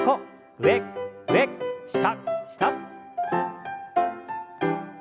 上上下下。